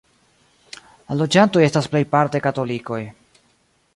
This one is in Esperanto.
La loĝantoj estas plejparte katolikoj.